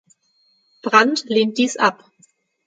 Brand lehnt dies ab.